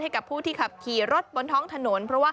ให้กับผู้ที่ขับขี่รถบนท้องถนน